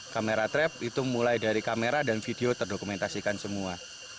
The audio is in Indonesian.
kamera trap itu mulai dari kamera dan video terdokumentasikan semua